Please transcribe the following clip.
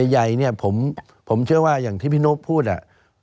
ใหญ่เนี่ยผมเชื่อว่าอย่างที่พี่นกพูด